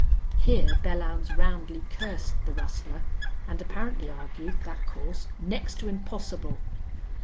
Here Belllounds roundly cursed the rustler, and apparently argued that course "next to impossible."